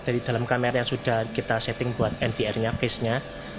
dari dalam kamera yang sudah kita setting buat nvr nya face nya